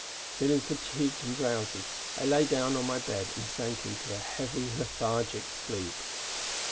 Feeling fatigued and drowsy I lay down on my bed and sank into a heavy, lethargic sleep.